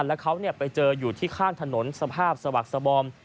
แล้วเขาไปเจออยู่ที่ข้างถนนสภาพสวักสบอม